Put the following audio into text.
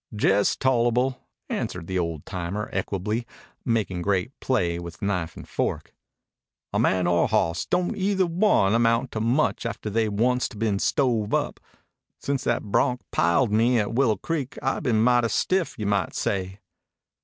"Jes' tolable," answered the old timer equably, making great play with knife and fork. "A man or a hawss don't either one amount to much after they onct been stove up. Since that bronc piled me at Willow Creek I been mighty stiff, you might say."